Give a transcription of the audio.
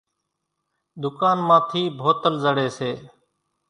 ۮُڪانَ مان ٿِي بوتل زڙيَ سي۔